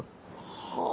はあ。